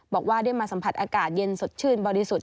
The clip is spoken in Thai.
บอกว่าได้มาสัมผัสอากาศเย็นสดชื่นบริสุทธิ์